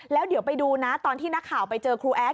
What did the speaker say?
แล้วเดี๋ยวไปดูนะตอนที่นักข่าวไปเจอครูแอด